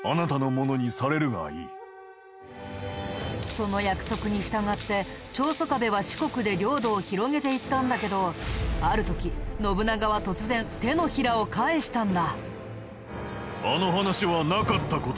その約束に従って長宗我部は四国で領土を広げていったんだけどある時信長は突然手のひらを返したんだ。